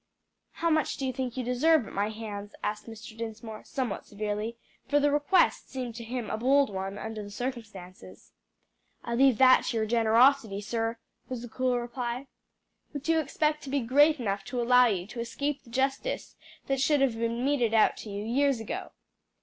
"How much do you think you deserve at my hands?" asked Mr. Dinsmore somewhat severely, for the request seemed to him a bold one under the circumstances. "I leave that to your generosity, sir," was the cool reply. "Which you expect to be great enough to allow you to escape the justice that should have been meted out to you years ago?"